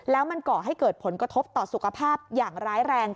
แล้วมันก่อให้เกิดผลกระทบต่อสุขภาพอย่างร้ายแรง